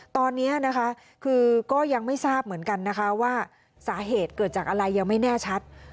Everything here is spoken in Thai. ตอนนี้นะคะคือก็ยังไม่ทราบเหมือนกันนะคะว่าสาเหตุเกิดจากอะไรยังไม่แน่ชัด